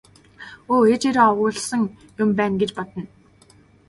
Өө ээжээрээ овоглосон юм байна гэж бодно.